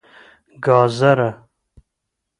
🥕 ګازره